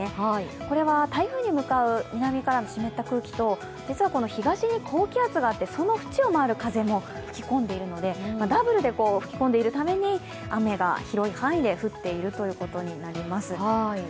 これは台風に向かう南からの湿った空気と実は東に高気圧があって、その縁を回る風も吹き込んでいるので、ダブルで吹き込んでいるために雨が広い範囲で降っているということになります。